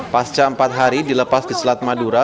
pasca empat hari dilepas ke selat madura